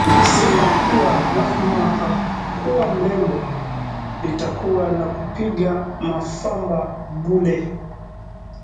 " Nikisema kuwa Rahma hakuwa mrembo, nitakuwa nakupiga mafamba bure"